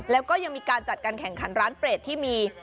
แล้วก็ยังมีการจัดการแข่งขันร้านเปรตที่มี